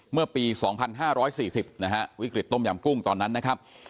เมื่อปี๒๕๔๐นะฮะวิกฤตต้มยำกุ้งตอนนั้นนะครับ